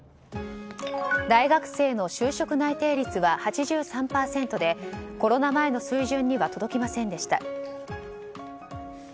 大学生の就職内定率は８３％でコロナ前の水準には届きませんでした。